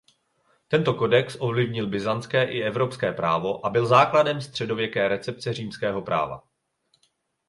Tento kodex ovlivnil Byzantské i evropské právo a byl základem středověké recepce římského práva.